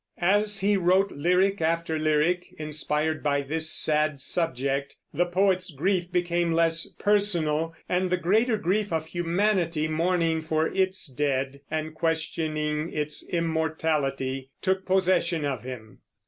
As he wrote lyric after lyric, inspired by this sad subject, the poet's grief became less personal, and the greater grief of humanity mourning for its dead and questioning its immortality took possession of him.